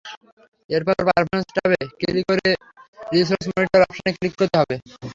এরপর পারফরম্যান্স ট্যাবে ক্লিক করে রিসোর্স মনিটর অপশনে ক্লিক করতে হবে।